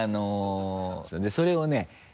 それをね